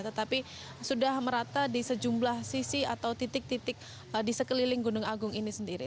tetapi sudah merata di sejumlah sisi atau titik titik di sekeliling gunung agung ini sendiri